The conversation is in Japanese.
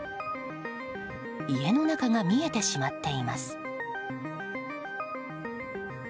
家の中が見えてしまっています。